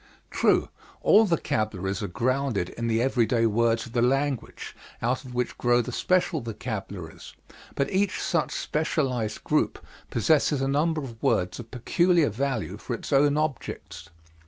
True, all vocabularies are grounded in the everyday words of the language, out of which grow the special vocabularies, but each such specialized group possesses a number of words of peculiar value for its own objects.